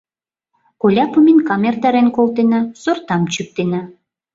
Коля поминкам эртарен колтена, сортам чӱктена».